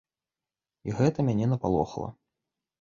І гэта мяне напалохала.